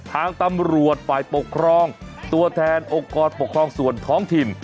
ทางตำรวจฝ่ายปกครองตัวแทนองค์กรปกครองส่วนท้องถิ่น